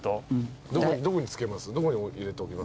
どこにつけます？